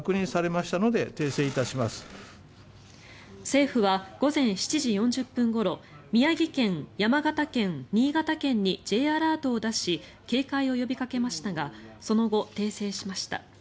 政府は午前７時４０分ごろ宮城県、山形県、新潟県にＪアラートを出し警戒を呼びかけましたがその後、訂正しました。